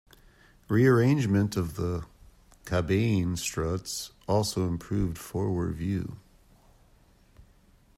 Rearrangement of the cabane struts also improved forward view.